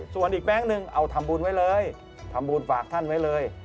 ส่วนอีกแบงค์หนึ่งเอาทำบุญไว้เลยทำบุญฝากท่านไว้เลย